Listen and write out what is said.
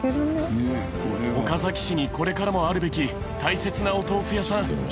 「岡崎市にこれからもあるべき大切なお豆腐やさん」